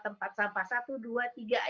tempat sampah satu dua tiga